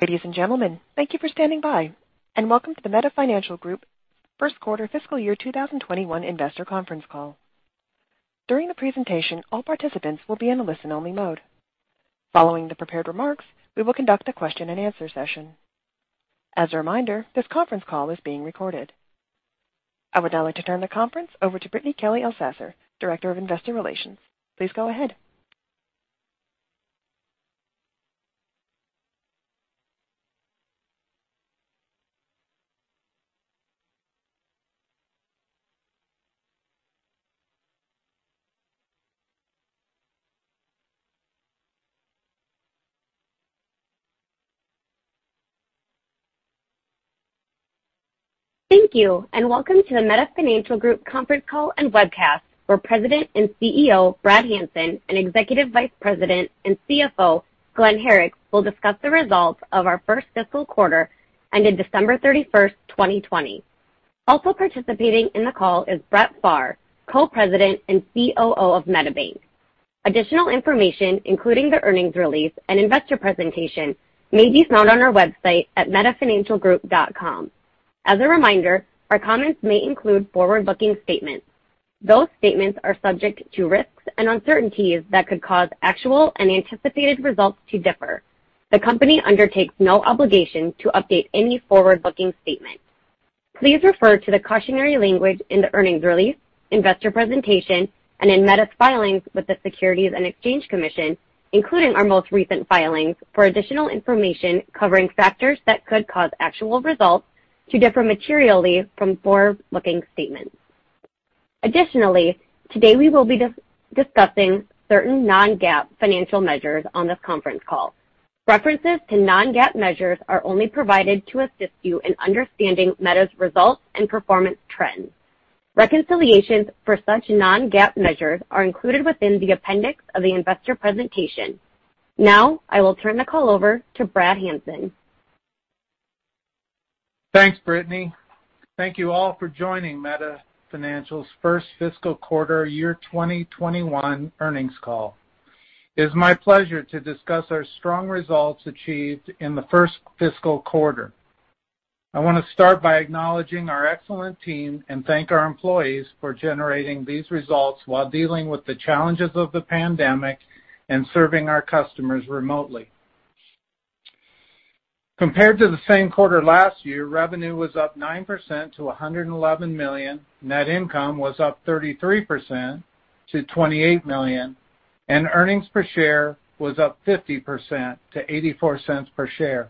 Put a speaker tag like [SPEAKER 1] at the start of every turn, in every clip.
[SPEAKER 1] Ladies and gentlemen, thank you for standing by, and welcome to the Meta Financial Group First Quarter Fiscal Year 2021 investor conference call. During the presentation, all participants will be in a listen-only mode. Following the prepared remarks, we will conduct a question and answer session. As a reminder, this conference call is being recorded. I would now like to turn the conference over to Brittany Kelley Elsasser, Director of Investor Relations. Please go ahead.
[SPEAKER 2] Thank you. Welcome to the Meta Financial Group conference call and webcast for President and Chief Executive Officer, Brad Hanson, and Executive Vice President and Chief Financial Officer, Glen Herrick, will discuss the results of our first fiscal quarter ended December 31st, 2020. Also participating in the call is Brett Pharr, Co-President and Chief Operating Officer of MetaBank. Additional information, including the earnings release and investor presentation, may be found on our website at metafinancialgroup.com. As a reminder, our comments may include forward-looking statements. Those statements are subject to risks and uncertainties that could cause actual and anticipated results to differ. The company undertakes no obligation to update any forward-looking statement. Please refer to the cautionary language in the earnings release, investor presentation, and in Meta's filings with the Securities and Exchange Commission, including our most recent filings for additional information covering factors that could cause actual results to differ materially from forward-looking statements. Today we will be discussing certain non-GAAP financial measures on this conference call. References to non-GAAP measures are only provided to assist you in understanding Meta's results and performance trends. Reconciliations for such non-GAAP measures are included within the appendix of the investor presentation. Now, I will turn the call over to Brad Hanson.
[SPEAKER 3] Thanks, Brittany. Thank you all for joining Meta Financial's First Fiscal Quarter Year 2021 earnings call. It is my pleasure to discuss our strong results achieved in the first fiscal quarter. I want to start by acknowledging our excellent team and thank our employees for generating these results while dealing with the challenges of the pandemic and serving our customers remotely. Compared to the same quarter last year, revenue was up 9% to $111 million, net income was up 33% to $28 million, and earnings per share was up 50% to $0.84 per share.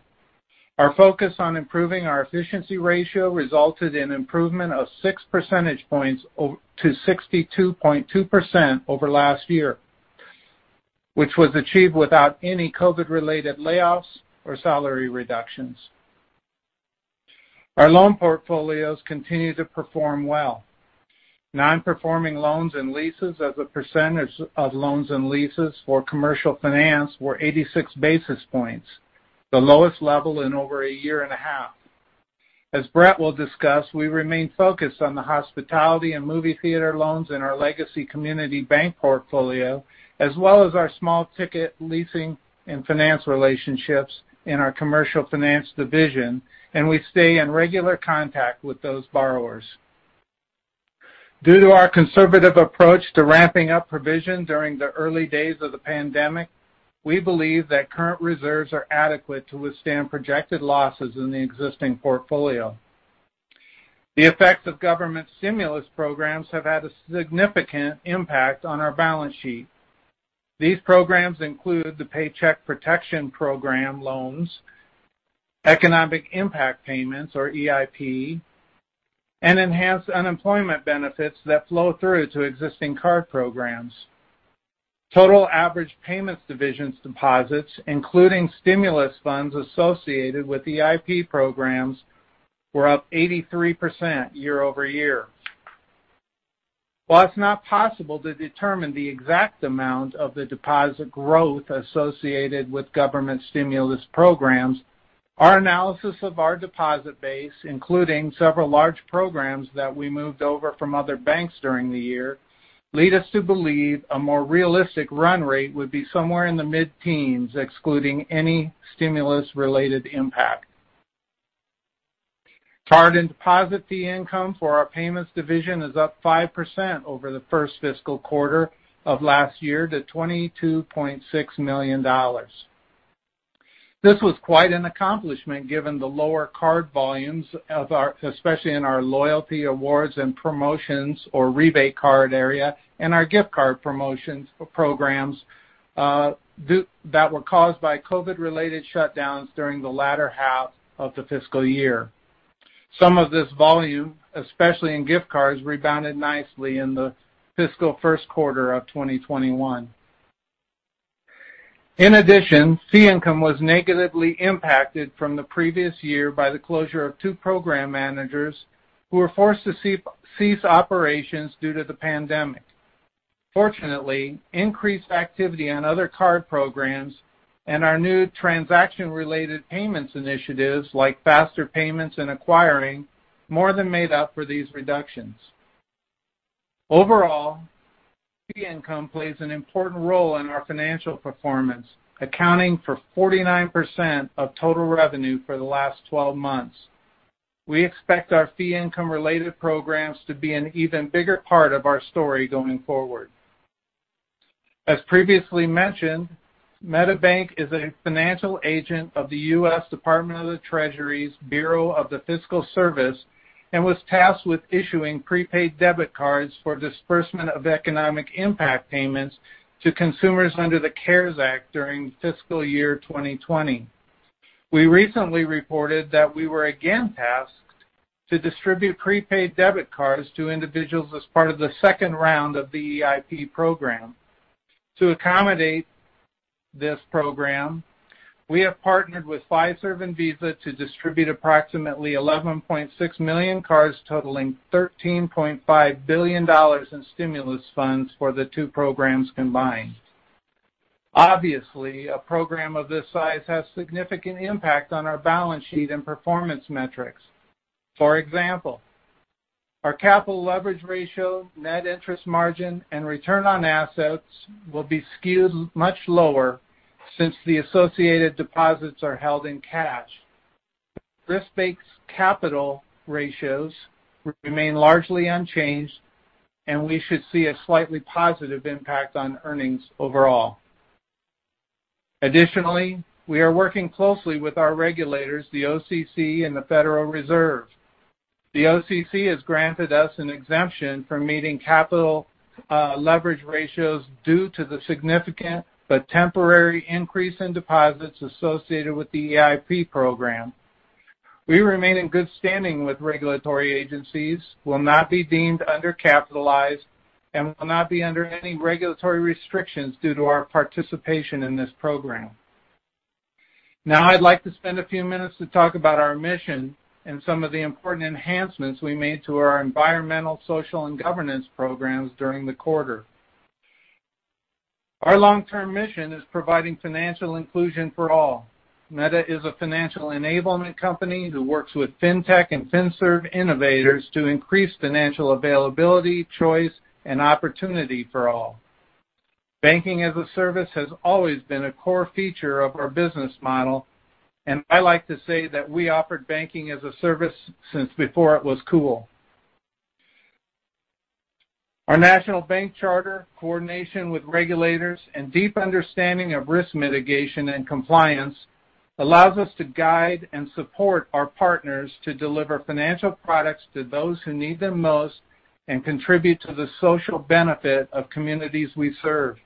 [SPEAKER 3] Our focus on improving our efficiency ratio resulted in improvement of 6 percentage points to 62.2% over last year, which was achieved without any COVID-related layoffs or salary reductions. Our loan portfolios continue to perform well. Non-performing loans and leases as a percentage of loans and leases for commercial finance were 86 basis points, the lowest level in over a year and a half. As Brett will discuss, we remain focused on the hospitality and movie theater loans in our legacy community bank portfolio, as well as our small-ticket leasing and finance relationships in our commercial finance division, and we stay in regular contact with those borrowers. Due to our conservative approach to ramping up provision during the early days of the pandemic, we believe that current reserves are adequate to withstand projected losses in the existing portfolio. The effects of government stimulus programs have had a significant impact on our balance sheet. These programs include the Paycheck Protection Program loans, Economic Impact Payments, or EIP, and enhanced unemployment benefits that flow through to existing card programs. Total average payments divisions deposits, including stimulus funds associated with EIP programs, were up 83% year-over-year. While it's not possible to determine the exact amount of the deposit growth associated with government stimulus programs, our analysis of our deposit base, including several large programs that we moved over from other banks during the year, lead us to believe a more realistic run rate would be somewhere in the mid-teens, excluding any stimulus-related impact. Card and deposit fee income for our payments division is up 5% over the first fiscal quarter of last year to $22.6 million. This was quite an accomplishment given the lower card volumes, especially in our loyalty awards and promotions or rebate card area and our gift card promotions programs that were caused by COVID-related shutdowns during the latter half of the fiscal year. Some of this volume, especially in gift cards, rebounded nicely in the fiscal first quarter of 2021. In addition, fee income was negatively impacted from the previous year by the closure of two program managers who were forced to cease operations due to the pandemic. Fortunately, increased activity on other card programs and our new transaction-related payments initiatives, like faster payments and acquiring, more than made up for these reductions. Overall, fee income plays an important role in our financial performance, accounting for 49% of total revenue for the last 12 months. We expect our fee income related programs to be an even bigger part of our story going forward. As previously mentioned, MetaBank is a financial agent of the U.S. Department of the Treasury's Bureau of the Fiscal Service, and was tasked with issuing prepaid debit cards for disbursement of economic impact payments to consumers under the CARES Act during fiscal year 2020. We recently reported that we were again tasked to distribute prepaid debit cards to individuals as part of the second round of the EIP program. To accommodate this program, we have partnered with Fiserv and Visa to distribute approximately 11.6 million cards totaling $13.5 billion in stimulus funds for the two programs combined. Obviously, a program of this size has significant impact on our balance sheet and performance metrics. For example, our capital leverage ratio, net interest margin, and return on assets will be skewed much lower since the associated deposits are held in cash. Risk-based capital ratios remain largely unchanged, and we should see a slightly positive impact on earnings overall. Additionally, we are working closely with our regulators, the OCC and the Federal Reserve. The OCC has granted us an exemption from meeting capital leverage ratios due to the significant but temporary increase in deposits associated with the EIP program. We remain in good standing with regulatory agencies, will not be deemed undercapitalized, and will not be under any regulatory restrictions due to our participation in this program. Now, I'd like to spend a few minutes to talk about our mission and some of the important enhancements we made to our environmental, social, and governance programs during the quarter. Our long-term mission is providing financial inclusion for all. Meta is a financial enablement company who works with fintech and finserv innovators to increase financial availability, choice, and opportunity for all. Banking-as-a-service has always been a core feature of our business model, I like to say that we offered banking-as-a-service since before it was cool. Our national bank charter, coordination with regulators, and deep understanding of risk mitigation and compliance allows us to guide and support our partners to deliver financial products to those who need them most and contribute to the social benefit of communities we serve.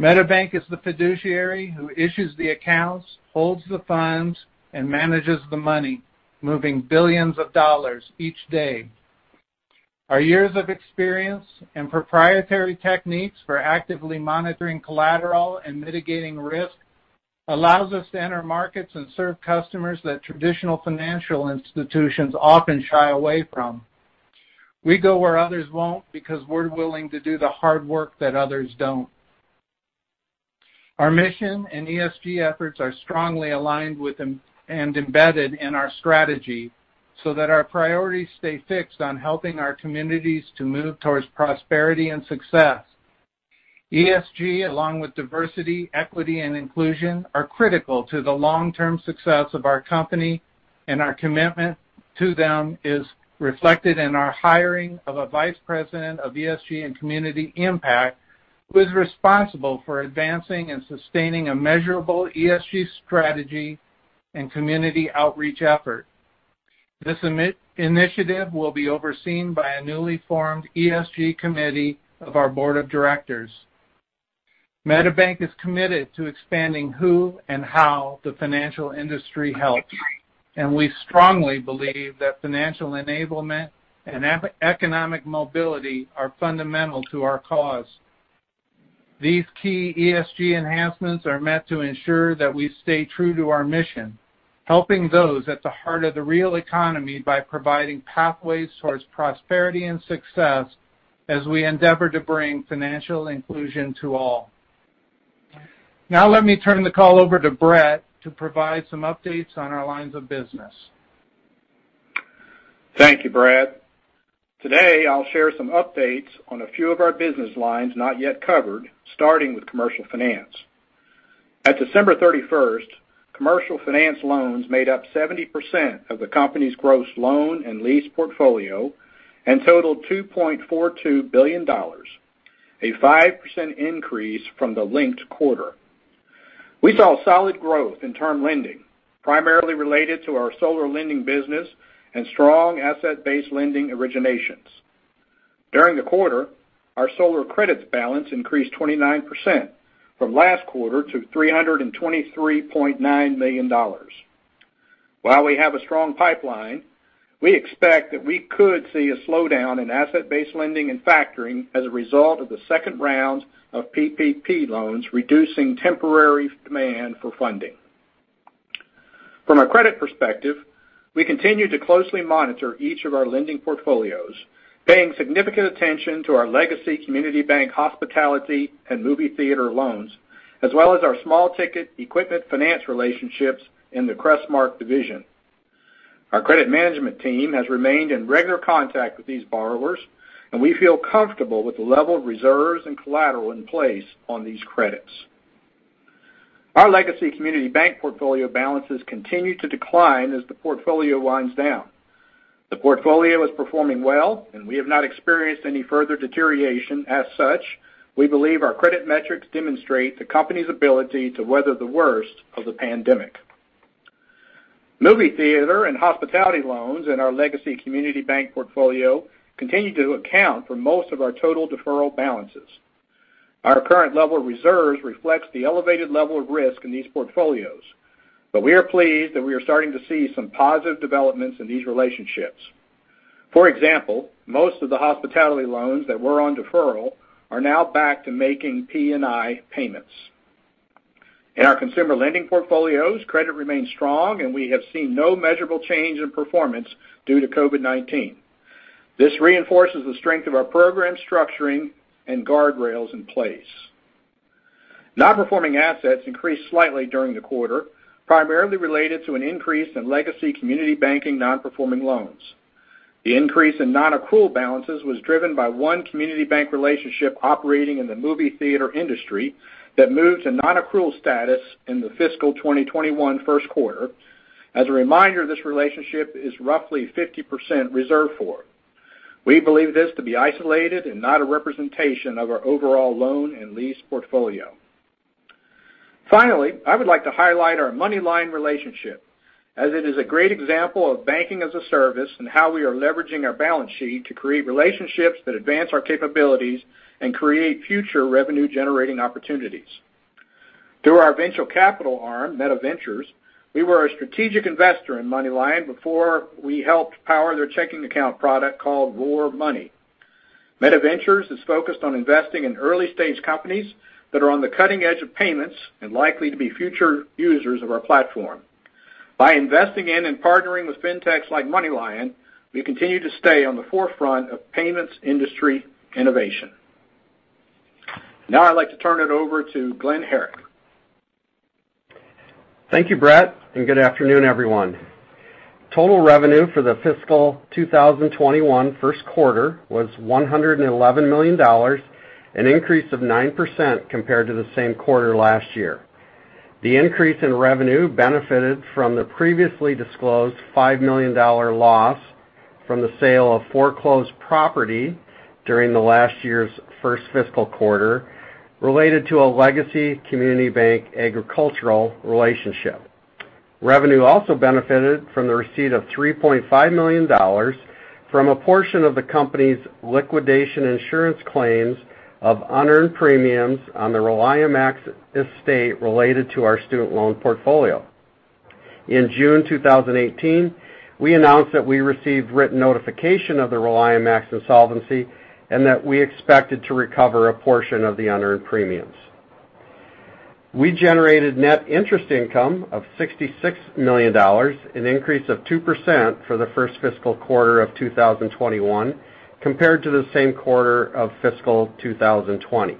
[SPEAKER 3] MetaBank is the fiduciary who issues the accounts, holds the funds, and manages the money, moving billions of dollars each day. Our years of experience and proprietary techniques for actively monitoring collateral and mitigating risk allows us to enter markets and serve customers that traditional financial institutions often shy away from. We go where others won't because we're willing to do the hard work that others don't. Our mission and ESG efforts are strongly aligned with and embedded in our strategy so that our priorities stay fixed on helping our communities to move towards prosperity and success. ESG, along with diversity, equity, and inclusion, are critical to the long-term success of our company, and our commitment to them is reflected in our hiring of a vice president of ESG and community impact, who is responsible for advancing and sustaining a measurable ESG strategy and community outreach effort. This initiative will be overseen by a newly formed ESG committee of our Board of Directors. MetaBank is committed to expanding who and how the financial industry helps, and we strongly believe that financial enablement and economic mobility are fundamental to our cause. These key ESG enhancements are meant to ensure that we stay true to our mission, helping those at the heart of the real economy by providing pathways towards prosperity and success as we endeavor to bring financial inclusion to all. Let me turn the call over to Brett to provide some updates on our lines of business.
[SPEAKER 4] Thank you, Brad. Today, I'll share some updates on a few of our business lines not yet covered, starting with commercial finance. At December 31st, commercial finance loans made up 70% of the company's gross loan and lease portfolio and totaled $2.42 billion, a 5% increase from the linked quarter. We saw solid growth in term lending, primarily related to our solar lending business and strong asset-based lending originations. During the quarter, our solar credits balance increased 29%, from last quarter to $323.9 million. While we have a strong pipeline, we expect that we could see a slowdown in asset-based lending and factoring as a result of the second round of PPP loans, reducing temporary demand for funding. From a credit perspective, we continue to closely monitor each of our lending portfolios, paying significant attention to our legacy community bank hospitality and movie theater loans, as well as our small-ticket equipment finance relationships in the Crestmark division. Our credit management team has remained in regular contact with these borrowers, and we feel comfortable with the level of reserves and collateral in place on these credits. Our legacy community bank portfolio balances continue to decline as the portfolio winds down. The portfolio is performing well, and we have not experienced any further deterioration. As such, we believe our credit metrics demonstrate the company's ability to weather the worst of the pandemic. Movie theater and hospitality loans in our legacy community bank portfolio continue to account for most of our total deferral balances. Our current level of reserves reflects the elevated level of risk in these portfolios, but we are pleased that we are starting to see some positive developments in these relationships. For example, most of the hospitality loans that were on deferral are now back to making P&I payments. In our consumer lending portfolios, credit remains strong, and we have seen no measurable change in performance due to COVID-19. This reinforces the strength of our program structuring and guardrails in place. Non-performing assets increased slightly during the quarter, primarily related to an increase in legacy community banking non-performing loans. The increase in non-accrual balances was driven by one community bank relationship operating in the movie theater industry that moved to non-accrual status in the fiscal 2021 first quarter. As a reminder, this relationship is roughly 50% reserved for. We believe this to be isolated and not a representation of our overall loan and lease portfolio. Finally, I would like to highlight our MoneyLion relationship as it is a great example of banking-as-a-service and how we are leveraging our balance sheet to create relationships that advance our capabilities and create future revenue-generating opportunities. Through our venture capital arm, MetaVentures, we were a strategic investor in MoneyLion before we helped power their checking account product called RoarMoney. MetaVentures is focused on investing in early-stage companies that are on the cutting edge of payments and likely to be future users of our platform. By investing in and partnering with fintechs like MoneyLion, we continue to stay on the forefront of payments industry innovation. I'd like to turn it over to Glen Herrick.
[SPEAKER 5] Thank you, Brett. Good afternoon, everyone. Total revenue for the fiscal 2021 first quarter was $111 million, an increase of 9% compared to the same quarter last year. The increase in revenue benefited from the previously disclosed $5 million loss from the sale of foreclosed property during the last year's first fiscal quarter related to a legacy community bank agricultural relationship. Revenue also benefited from the receipt of $3.5 million from a portion of the company's liquidation insurance claims of unearned premiums on the ReliaMax estate related to our student loan portfolio. In June 2018, we announced that we received written notification of the ReliaMax insolvency and that we expected to recover a portion of the unearned premiums. We generated net interest income of $66 million, an increase of 2% for the first fiscal quarter of 2021 compared to the same quarter of fiscal 2020.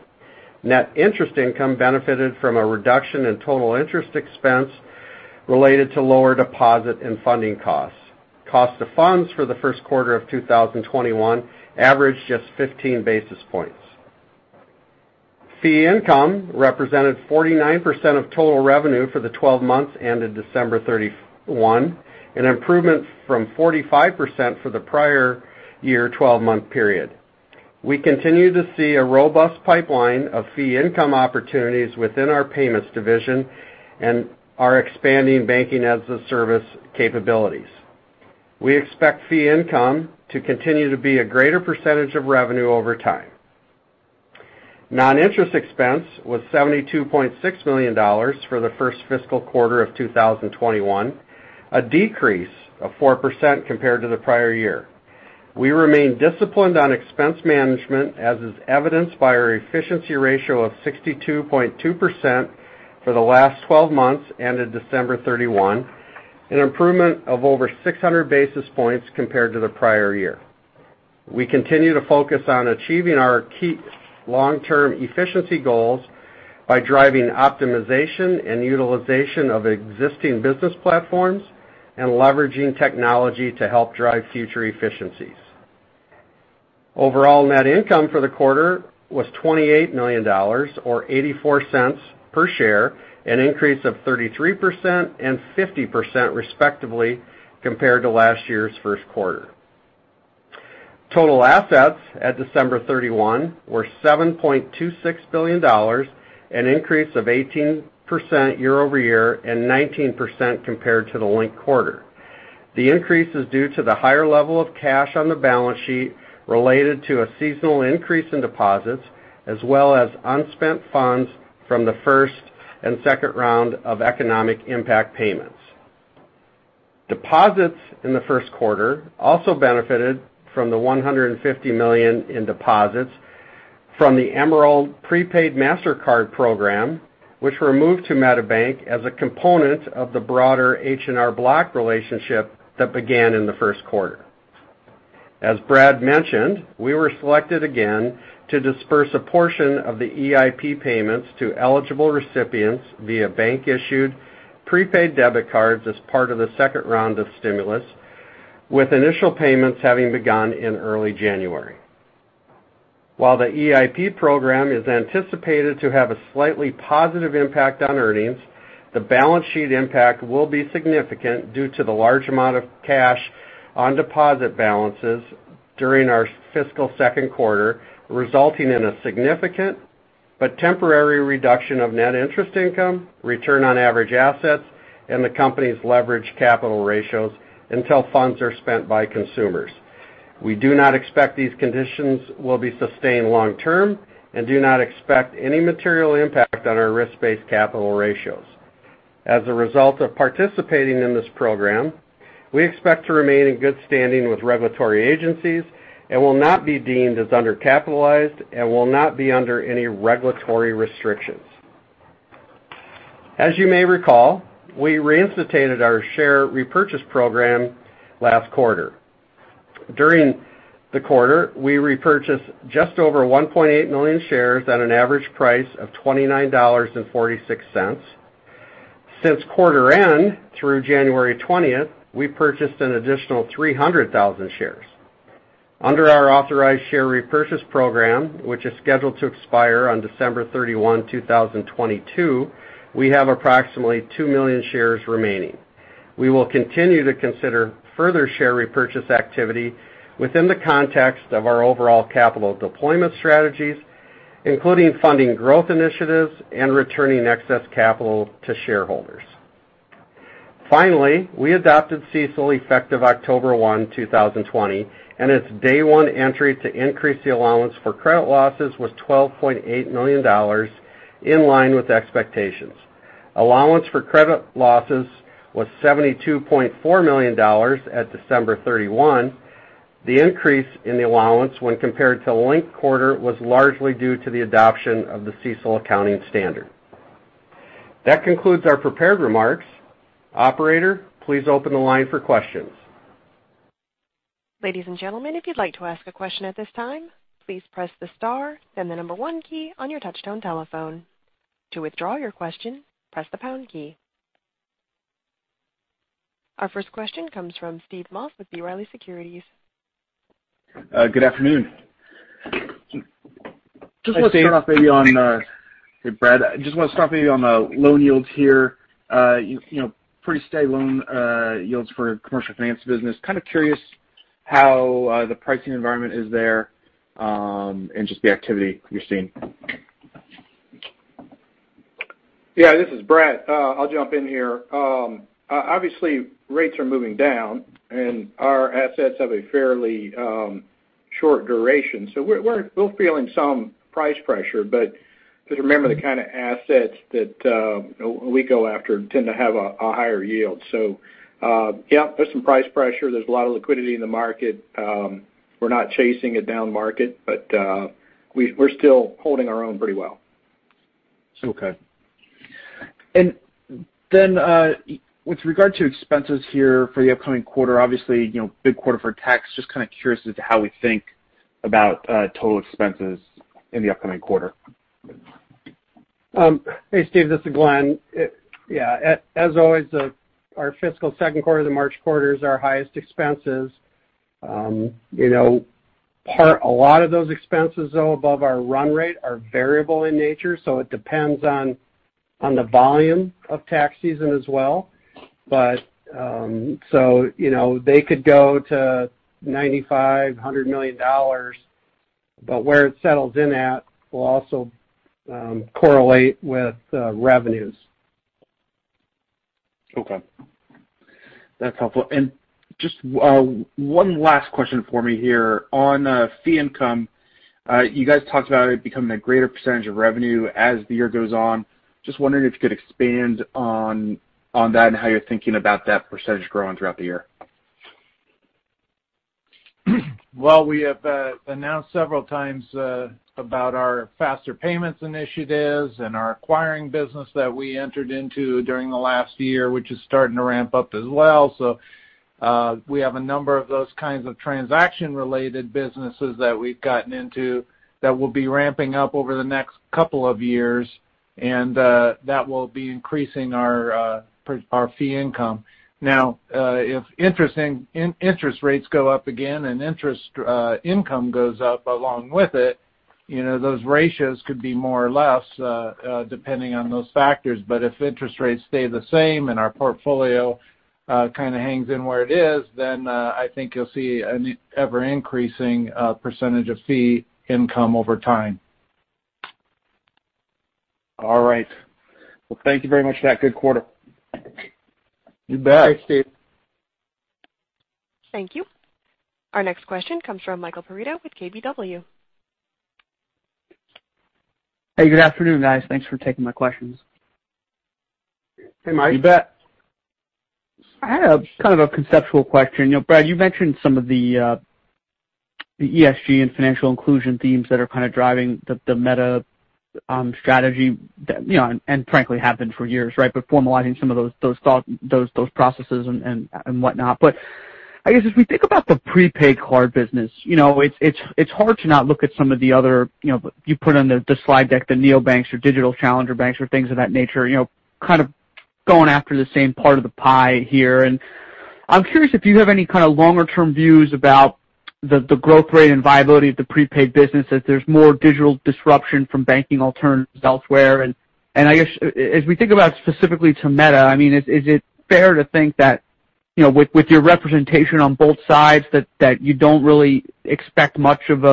[SPEAKER 5] Net interest income benefited from a reduction in total interest expense related to lower deposit and funding costs. Cost of funds for the first quarter of 2021 averaged just 15 basis points. Fee income represented 49% of total revenue for the 12 months ended December 31, an improvement from 45% for the prior year 12-month period. We continue to see a robust pipeline of fee income opportunities within our payments division and our expanding banking-as-a-service capabilities. We expect fee income to continue to be a greater percentage of revenue over time. Non-interest expense was $72.6 million for the first fiscal quarter of 2021, a decrease of 4% compared to the prior year. We remain disciplined on expense management, as is evidenced by our efficiency ratio of 62.2% for the last 12 months ended December 31, an improvement of over 600 basis points compared to the prior year. We continue to focus on achieving our key long-term efficiency goals by driving optimization and utilization of existing business platforms and leveraging technology to help drive future efficiencies. Overall net income for the quarter was $28 million, or $0.84 per share, an increase of 33% and 50%, respectively, compared to last year's first quarter. Total assets at December 31 were $7.26 billion, an increase of 18% year-over-year and 19% compared to the linked quarter. The increase is due to the higher level of cash on the balance sheet related to a seasonal increase in deposits, as well as unspent funds from the first and second round of Economic Impact Payments. Deposits in the first quarter also benefited from the $150 million in deposits from the Emerald Prepaid Mastercard program, which were moved to MetaBank as a component of the broader H&R Block relationship that began in the first quarter. As Brad mentioned, we were selected again to disperse a portion of the EIP payments to eligible recipients via bank-issued prepaid debit cards as part of the second round of stimulus, with initial payments having begun in early January. While the EIP program is anticipated to have a slightly positive impact on earnings, the balance sheet impact will be significant due to the large amount of cash on deposit balances during our fiscal second quarter, resulting in a significant but temporary reduction of net interest income, return on average assets, and the company's leverage capital ratios until funds are spent by consumers. We do not expect these conditions will be sustained long term and do not expect any material impact on our risk-based capital ratios. As a result of participating in this program, we expect to remain in good standing with regulatory agencies and will not be deemed as undercapitalized and will not be under any regulatory restrictions. As you may recall, we reinstituted our share repurchase program last quarter. During the quarter, we repurchased just over 1.8 million shares at an average price of $29.46. Since quarter end, through January 20th, we purchased an additional 300,000 shares. Under our authorized share repurchase program, which is scheduled to expire on December 31, 2022, we have approximately 2 million shares remaining. We will continue to consider further share repurchase activity within the context of our overall capital deployment strategies, including funding growth initiatives and returning excess capital to shareholders. Finally, we adopted CECL effective October 1, 2020, and its day one entry to increase the allowance for credit losses was $12.8 million, in line with expectations. Allowance for credit losses was $72.4 million at December 31. The increase in the allowance when compared to linked quarter was largely due to the adoption of the CECL accounting standard. That concludes our prepared remarks. Operator, please open the line for questions.
[SPEAKER 1] Ladies and gentlemen, if you'd like to ask a question at this time, please press star then the number one key on your touchtone telephone. To withdraw your question, press the pound key. Our first question comes from Steve Moss with B. Riley Securities.
[SPEAKER 6] Good afternoon.
[SPEAKER 5] Hi, Steve.
[SPEAKER 6] Hey, Brett. Just want to start maybe on the loan yields here. Pretty steady loan yields for commercial finance business. Kind of curious how the pricing environment is there, and just the activity you're seeing.
[SPEAKER 4] Yeah, this is Brett. I'll jump in here. Obviously, rates are moving down, and our assets have a fairly short duration. We're feeling some price pressure, but just remember the kind of assets that we go after tend to have a higher yield. Yeah, there's some price pressure. There's a lot of liquidity in the market. We're not chasing a down market, but we're still holding our own pretty well.
[SPEAKER 6] Okay. With regard to expenses here for the upcoming quarter, obviously, big quarter for tax. Just kind of curious as to how we think about total expenses in the upcoming quarter.
[SPEAKER 5] Hey, Steve, this is Glen. Yeah. As always, our fiscal second quarter, the March quarter, is our highest expenses. A lot of those expenses, though, above our run rate are variable in nature, so it depends on the volume of tax season as well. They could go to $95 million, $100 million, but where it settles in at will also correlate with revenues.
[SPEAKER 6] Okay. That's helpful. Just one last question for me here. On fee income, you guys talked about it becoming a greater percentage of revenue as the year goes on. Just wondering if you could expand on that and how you're thinking about that percentage growing throughout the year.
[SPEAKER 3] Well, we have announced several times about our faster payments initiatives and our acquiring business that we entered into during the last year, which is starting to ramp up as well. We have a number of those kinds of transaction-related businesses that we've gotten into that we'll be ramping up over the next couple of years, and that will be increasing our fee income. Now, if interest rates go up again and interest income goes up along with it, those ratios could be more or less, depending on those factors. If interest rates stay the same and our portfolio kind of hangs in where it is, then I think you'll see an ever-increasing percentage of fee income over time.
[SPEAKER 6] All right. Well, thank you very much for that. Good quarter.
[SPEAKER 3] You bet.
[SPEAKER 5] Thanks, Steve.
[SPEAKER 1] Thank you. Our next question comes from Michael Perito with KBW.
[SPEAKER 7] Hey, good afternoon, guys. Thanks for taking my questions.
[SPEAKER 5] Hey, Mike.
[SPEAKER 3] You bet.
[SPEAKER 7] I had kind of a conceptual question. Brad, you mentioned some of the ESG and financial inclusion themes that are kind of driving the Meta strategy, and frankly have been for years, right? Formalizing some of those processes and whatnot. I guess as we think about the prepaid card business, it's hard to not look at some of the other, you put on the slide deck, the neobanks or digital challenger banks or things of that nature, kind of going after the same part of the pie here. I'm curious if you have any kind of longer-term views about the growth rate and viability of the prepaid business as there's more digital disruption from banking alternatives elsewhere. I guess, as we think about specifically to Meta, is it fair to think that with your representation on both sides, that you don't really expect much of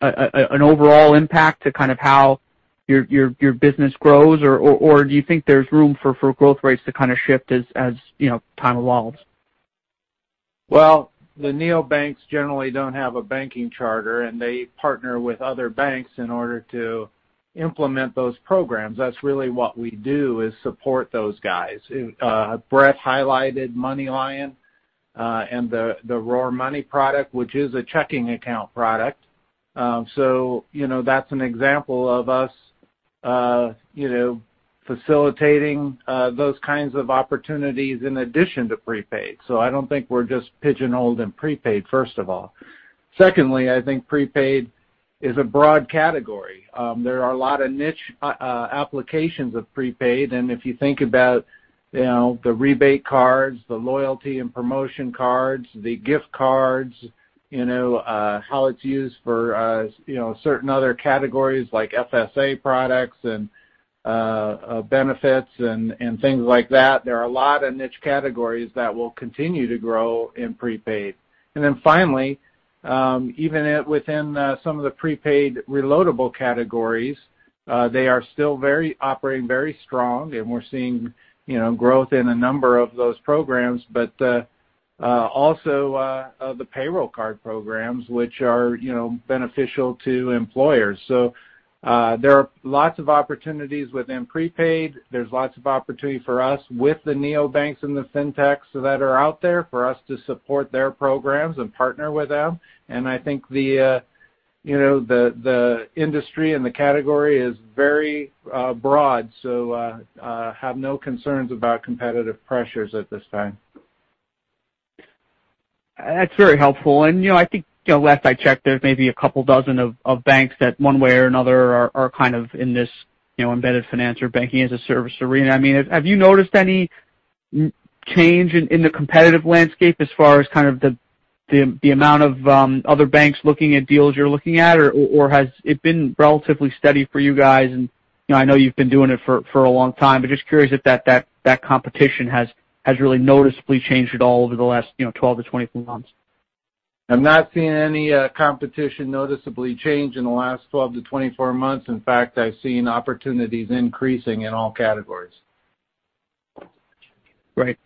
[SPEAKER 7] an overall impact to kind of how your business grows, or do you think there's room for growth rates to kind of shift as time evolves?
[SPEAKER 3] Well, the neobanks generally don't have a banking charter, and they partner with other banks in order to implement those programs. That's really what we do is support those guys. Brett highlighted MoneyLion, and the RoarMoney product, which is a checking account product. That's an example of us facilitating those kinds of opportunities in addition to prepaid. I don't think we're just pigeonholed in prepaid, first of all. Secondly, I think prepaid is a broad category. There are a lot of niche applications of prepaid, and if you think about the rebate cards, the loyalty and promotion cards, the gift cards, how it's used for certain other categories like FSA products and benefits and things like that. There are a lot of niche categories that will continue to grow in prepaid. Finally, even within some of the prepaid reloadable categories, they are still operating very strong, and we're seeing growth in a number of those programs. Also the payroll card programs, which are beneficial to employers. There are lots of opportunities within prepaid. There's lots of opportunity for us with the neobanks and the fintechs that are out there for us to support their programs and partner with them. I think the industry and the category is very broad, so I have no concerns about competitive pressures at this time.
[SPEAKER 7] That's very helpful. I think last I checked, there's maybe a couple dozen of banks that one way or another are kind of in this embedded finance or banking-as-a-service arena. Have you noticed any change in the competitive landscape as far as kind of the amount of other banks looking at deals you're looking at, or has it been relatively steady for you guys? I know you've been doing it for a long time, but just curious if that competition has really noticeably changed at all over the last 12-24 months.
[SPEAKER 3] I've not seen any competition noticeably change in the last 12-24 months. In fact, I've seen opportunities increasing in all categories.
[SPEAKER 7] Right.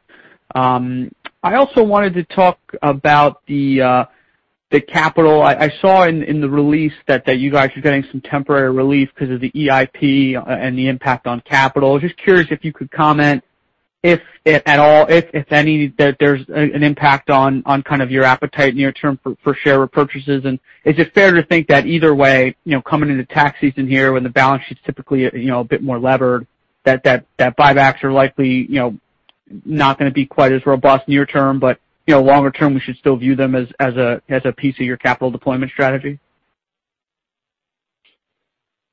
[SPEAKER 7] I also wanted to talk about the capital. I saw in the release that you guys are getting some temporary relief because of the EIP and the impact on capital. Just curious if you could comment if there's an impact on kind of your appetite near term for share repurchases. Is it fair to think that either way, coming into tax season here when the balance sheet's typically a bit more levered, that buybacks are likely not going to be quite as robust near term, but longer term, we should still view them as a piece of your capital deployment strategy?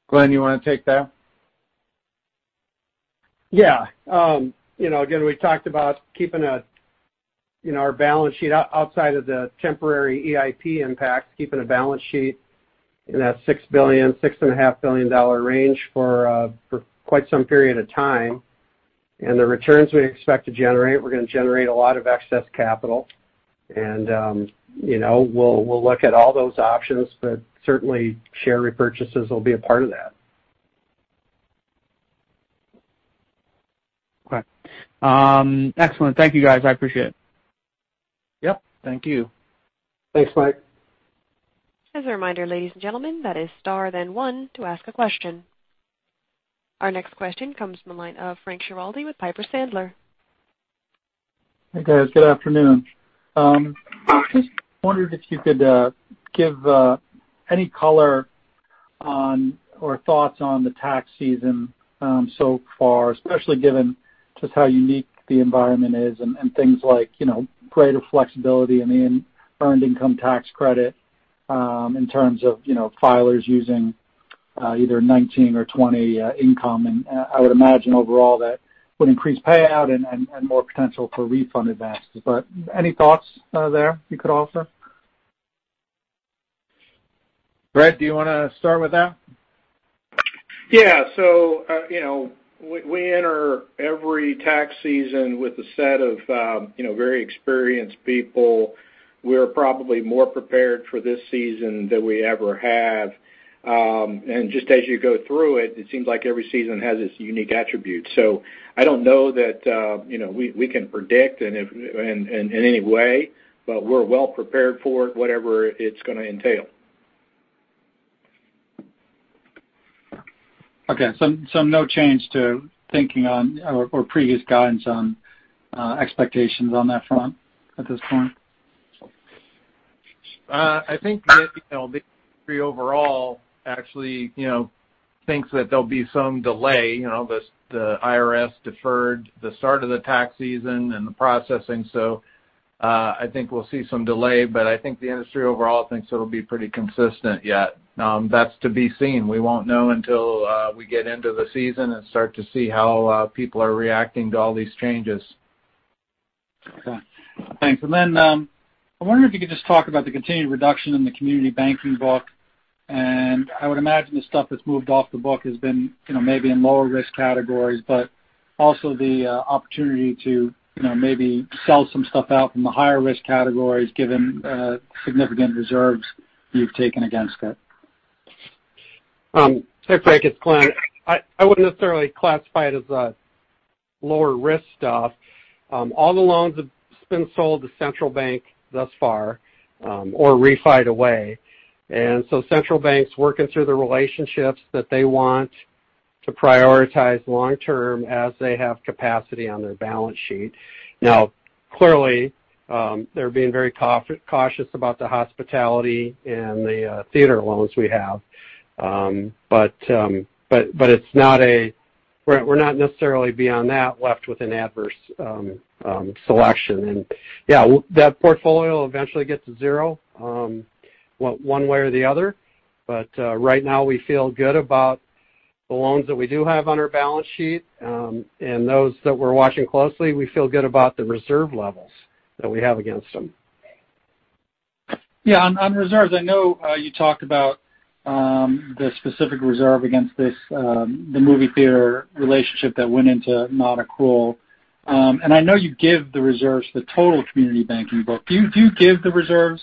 [SPEAKER 3] Glen, you want to take that?
[SPEAKER 5] Yeah. Again, we talked about keeping our balance sheet outside of the temporary EIP impact, keeping the balance sheet in that $6 billion, $6.5 billion range for quite some period of time. The returns we expect to generate, we're going to generate a lot of excess capital. We'll look at all those options, but certainly share repurchases will be a part of that.
[SPEAKER 7] Okay. Excellent. Thank you, guys. I appreciate it.
[SPEAKER 5] Yep. Thank you.
[SPEAKER 3] Thanks, Mike.
[SPEAKER 1] As a reminder, ladies and gentlemen, that is star then one to ask a question. Our next question comes from the line of Frank Schiraldi with Piper Sandler.
[SPEAKER 8] Hey, guys. Good afternoon. Just wondered if you could give any color on or thoughts on the tax season so far, especially given just how unique the environment is and things like greater flexibility in the Earned Income Tax Credit in terms of filers using either 2019 or 2020 income. I would imagine overall that would increase payout and more potential for refund advances. Any thoughts there you could offer?
[SPEAKER 3] Brett, do you want to start with that?
[SPEAKER 4] Yeah. We enter every tax season with a set of very experienced people. We're probably more prepared for this season than we ever have. Just as you go through it seems like every season has its unique attributes. I don't know that we can predict in any way, but we're well prepared for whatever it's going to entail.
[SPEAKER 8] Okay. No change to thinking on or previous guidance on expectations on that front at this point?
[SPEAKER 3] I think that the industry overall actually thinks that there'll be some delay. The IRS deferred the start of the tax season and the processing. I think we'll see some delay, but I think the industry overall thinks it'll be pretty consistent yet. That's to be seen. We won't know until we get into the season and start to see how people are reacting to all these changes.
[SPEAKER 8] Okay. Thanks. I wonder if you could just talk about the continued reduction in the community banking book, and I would imagine the stuff that's moved off the book has been maybe in lower risk categories, but also the opportunity to maybe sell some stuff out from the higher risk categories given significant reserves you've taken against it?
[SPEAKER 5] Thanks, Frank. It's Glen. I wouldn't necessarily classify it as a lower risk stuff. All the loans have been sold to Central Bank thus far, or refied away. Central Bank's working through the relationships that they want to prioritize long-term as they have capacity on their balance sheet. Now, clearly, they're being very cautious about the hospitality and the theater loans we have. We're not necessarily beyond that left with an adverse selection. Yeah, that portfolio will eventually get to zero, one way or the other. Right now we feel good about the loans that we do have on our balance sheet, and those that we're watching closely, we feel good about the reserve levels that we have against them.
[SPEAKER 8] Yeah, on reserves, I know you talked about the specific reserve against the movie theater relationship that went into non-accrual. I know you give the reserves the total community banking book. Do you give the reserves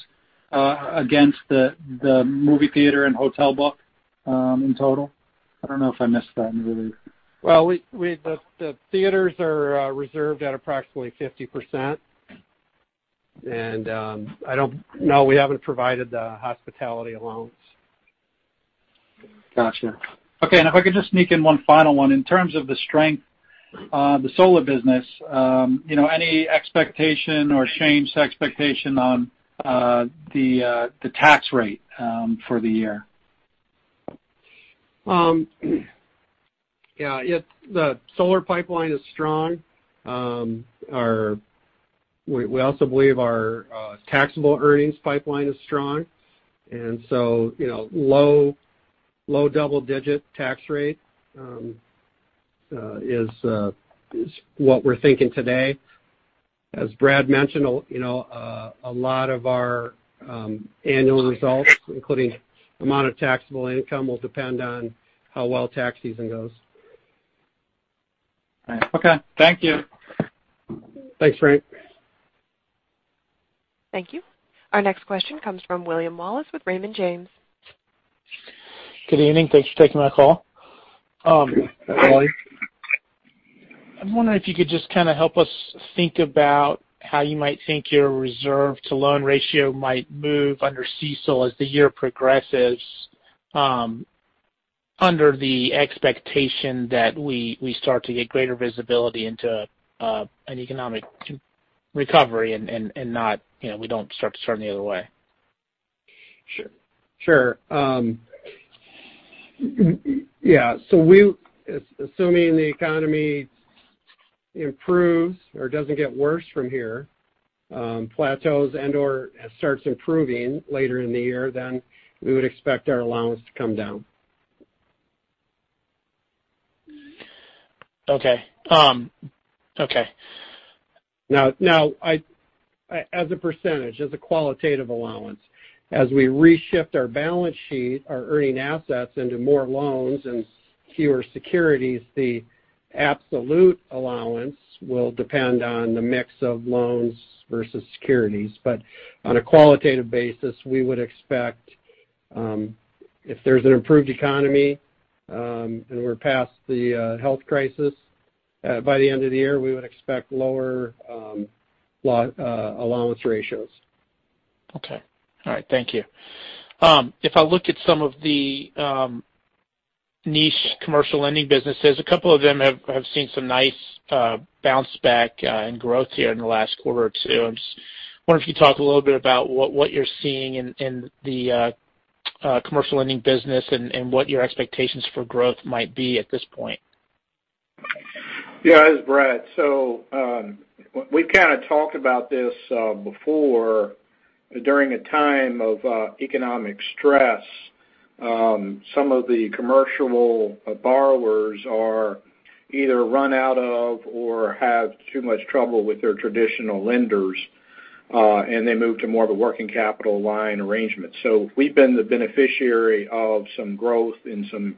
[SPEAKER 8] against the movie theater and hotel book in total? I don't know if I missed that in the release.
[SPEAKER 5] Well, the theaters are reserved at approximately 50%. No, we haven't provided the hospitality loans.
[SPEAKER 8] Got you. Okay, if I could just sneak in one final one. In terms of the strength on the solar business, any expectation or changed expectation on the tax rate for the year?
[SPEAKER 5] Yeah. The solar pipeline is strong. We also believe our taxable earnings pipeline is strong. Low double-digit tax rate is what we're thinking today. As Brad mentioned, a lot of our annual results, including amount of taxable income, will depend on how well tax season goes.
[SPEAKER 8] Okay. Thank you.
[SPEAKER 5] Thanks, Frank.
[SPEAKER 1] Thank you. Our next question comes from William Wallace with Raymond James.
[SPEAKER 9] Good evening. Thanks for taking my call.
[SPEAKER 5] Hi.
[SPEAKER 9] I'm wondering if you could just kind of help us think about how you might think your reserve to loan ratio might move under CECL as the year progresses under the expectation that we start to get greater visibility into an economic recovery and we don't start to turn the other way?
[SPEAKER 5] Sure. Yeah. Assuming the economy improves or doesn't get worse from here, plateaus and/or starts improving later in the year, we would expect our allowance to come down.
[SPEAKER 9] Okay.
[SPEAKER 5] As a percent, as a qualitative allowance, as we reshift our balance sheet, our earning assets into more loans and fewer securities, the absolute allowance will depend on the mix of loans versus securities. On a qualitative basis, we would expect, if there's an improved economy, and we're past the health crisis by the end of the year, we would expect lower allowance ratios.
[SPEAKER 9] Okay. All right. Thank you. If I look at some of the niche commercial lending businesses, a couple of them have seen some nice bounce back in growth here in the last quarter or two. I was wondering if you could talk a little bit about what you're seeing in the commercial lending business and what your expectations for growth might be at this point.
[SPEAKER 4] Yeah. This is Brad. We've kind of talked about this before. During a time of economic stress, some of the commercial borrowers either run out of or have too much trouble with their traditional lenders, and they move to more of a working capital line arrangement. We've been the beneficiary of some growth and some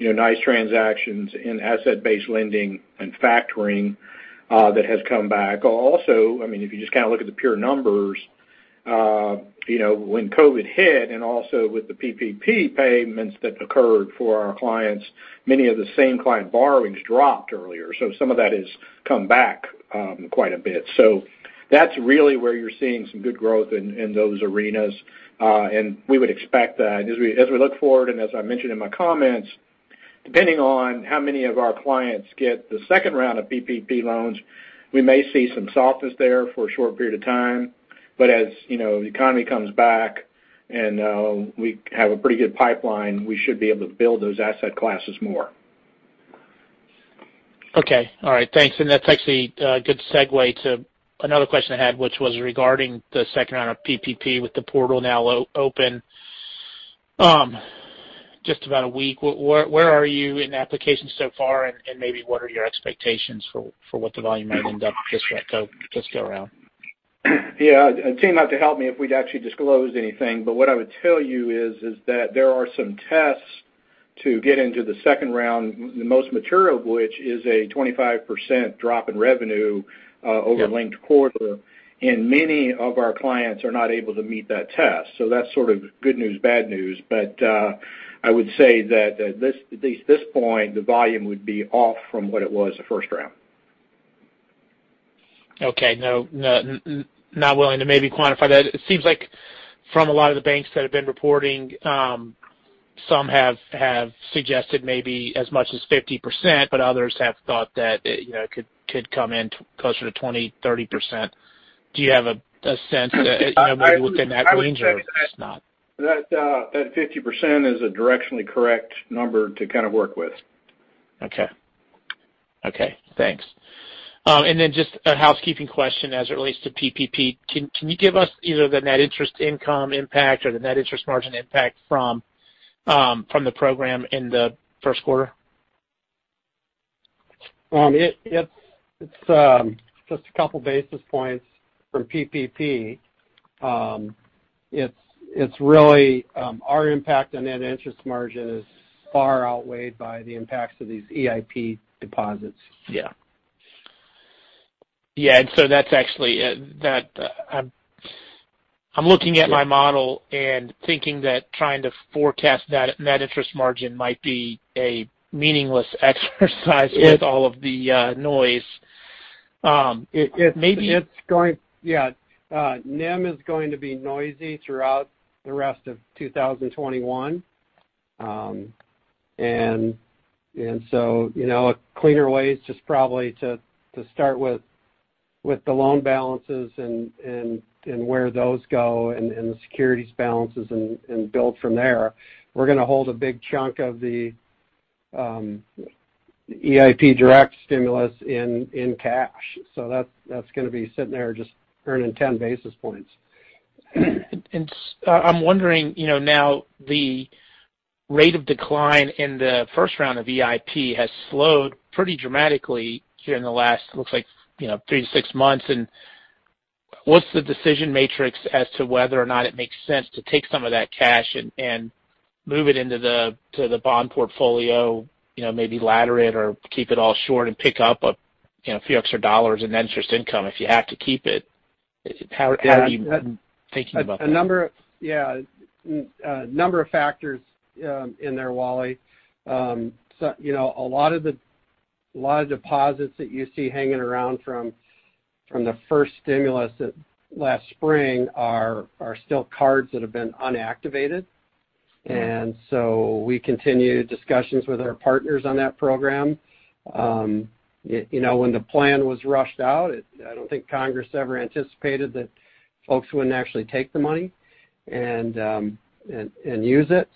[SPEAKER 4] nice transactions in asset-based lending and factoring that has come back. Also, if you just kind of look at the pure numbers, when COVID hit and also with the PPP payments that occurred for our clients, many of the same client borrowings dropped earlier. Some of that has come back quite a bit. That's really where you're seeing some good growth in those arenas. We would expect that. As we look forward, as I mentioned in my comments, depending on how many of our clients get the second round of PPP loans, we may see some softness there for a short period of time. As the economy comes back and we have a pretty good pipeline, we should be able to build those asset classes more.
[SPEAKER 9] Okay. All right. Thanks. That's actually a good segue to another question I had, which was regarding the second round of PPP with the portal now open just about a week. Where are you in applications so far, and maybe what are your expectations for what the volume might end up this go around?
[SPEAKER 4] Yeah. It would seem not to help me if we'd actually disclosed anything, but what I would tell you is that there are some tests to get into the second round, the most material of which is a 25% drop in revenue over a linked quarter. Many of our clients are not able to meet that test. That's sort of good news, bad news. I would say that at least at this point, the volume would be off from what it was the first round.
[SPEAKER 9] Okay. Not willing to maybe quantify that. It seems like from a lot of the banks that have been reporting, some have suggested maybe as much as 50%, but others have thought that it could come in closer to 20%, 30%. Do you have a sense that maybe within that range or it's not?
[SPEAKER 4] That 50% is a directionally correct number to kind of work with.
[SPEAKER 9] Okay. Thanks. Just a housekeeping question as it relates to PPP. Can you give us either the net interest income impact or the net interest margin impact from the program in the first quarter?
[SPEAKER 5] It's just a couple basis points from PPP. Our impact on net interest margin is far outweighed by the impacts of these EIP deposits.
[SPEAKER 9] Yeah. I'm looking at my model and thinking that trying to forecast that net interest margin might be a meaningless exercise.
[SPEAKER 5] It.
[SPEAKER 9] With all of the noise.
[SPEAKER 5] Yeah. NIM is going to be noisy throughout the rest of 2021. A cleaner way is just probably to start with the loan balances and where those go and the securities balances and build from there. We're going to hold a big chunk of the EIP direct stimulus in cash. That's going to be sitting there just earning 10 basis points.
[SPEAKER 9] I'm wondering, now the rate of decline in the first round of EIP has slowed pretty dramatically here in the last, looks like three to six months, what's the decision matrix as to whether or not it makes sense to take some of that cash and move it into the bond portfolio, maybe ladder it or keep it all short and pick up a few extra dollars in interest income if you have to keep it? How are you thinking about that?
[SPEAKER 5] Yeah. A number of factors in there, Wallace. A lot of deposits that you see hanging around from the first stimulus last spring are still cards that have been unactivated. We continue discussions with our partners on that program. When the plan was rushed out, I don't think Congress ever anticipated that folks wouldn't actually take the money and use it.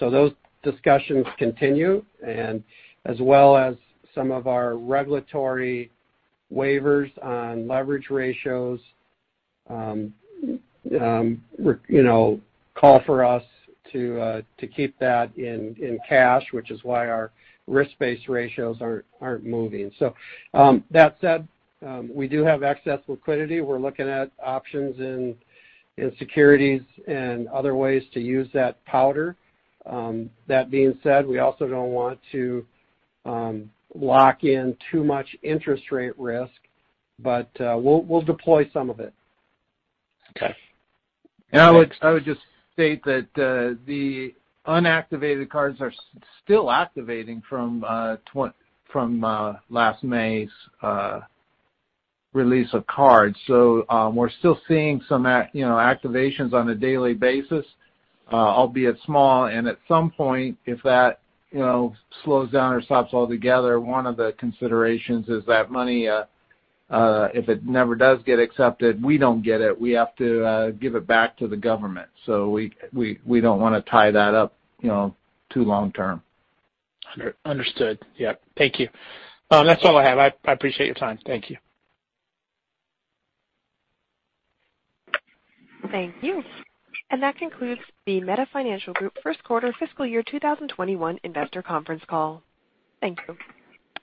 [SPEAKER 5] Those discussions continue, and as well as some of our regulatory waivers on leverage ratios call for us to keep that in cash, which is why our risk-based ratios aren't moving. That said, we do have excess liquidity. We're looking at options in securities and other ways to use that powder. That being said, we also don't want to lock in too much interest rate risk, but we'll deploy some of it.
[SPEAKER 9] Okay.
[SPEAKER 3] I would just state that the unactivated cards are still activating from last May's release of cards. We're still seeing some activations on a daily basis, albeit small. At some point, if that slows down or stops altogether, one of the considerations is that money, if it never does get accepted, we don't get it. We have to give it back to the government. We don't want to tie that up too long-term.
[SPEAKER 9] Understood. Yep. Thank you. That's all I have. I appreciate your time. Thank you.
[SPEAKER 1] Thank you. That concludes the Meta Financial Group First Quarter Fiscal Year 2021 Investor Conference Call. Thank you.